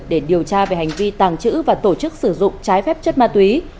để điều tra về hành vi tàng trữ và tổ chức sử dụng trái phép chất ma túy